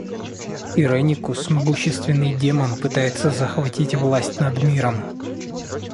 Иреникус, могущественный демон, пытается захватить власть над миром.